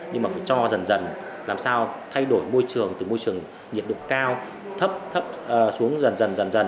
nhưng mà phải cho dần dần làm sao thay đổi môi trường từ môi trường nhiệt độ cao thấp xuống dần dần